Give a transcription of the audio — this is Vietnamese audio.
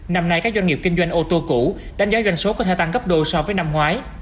năm nay các doanh nghiệp kinh doanh ô tô cũ đánh giá doanh số có thể tăng gấp đôi so với năm ngoái